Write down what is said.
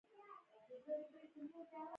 ویل کېږي دا ښار چې کله داود علیه السلام فتح کړ.